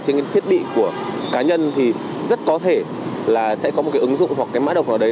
trên thiết bị của cá nhân thì rất có thể là sẽ có một ứng dụng hoặc mã độc nào đấy